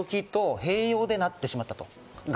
併用になってしまったと。